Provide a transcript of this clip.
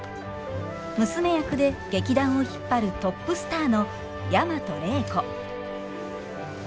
娘役で劇団を引っ張るトップスターの大和礼子。